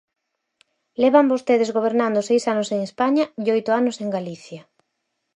Levan vostedes gobernando seis anos en España e oito anos en Galicia.